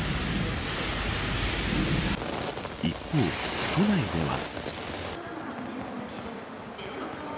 一方、都内では。